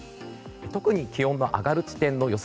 特に気温が上がる地点の予想